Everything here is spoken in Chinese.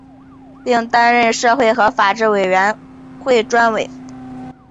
并担任社会和法制委员会专委。